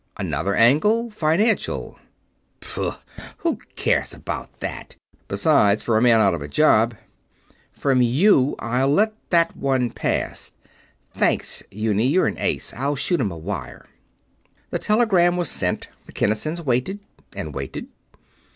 "Another angle financial." "Pooh! Who cares about that? Besides, for a man out of a job...." "From you, I'll let that one pass. Thanks, Eunie you're an ace. I'll shoot 'em a wire." The telegram was sent. The Kinnisons waited. And waited.